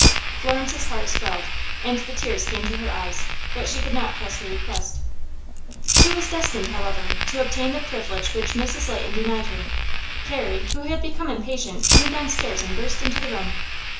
Florence's heart swelled, and the tears came to her eyes, but she could not press her request. She was destined, however, to obtain the privilege which Mrs. Leighton denied her. Carrie, who had become impatient, came downstairs and burst into the room.